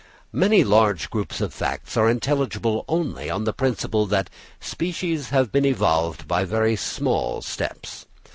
Many large groups of facts are intelligible only on the principle that species have been evolved by very small steps.